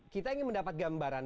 kita ingin mendapat gambaran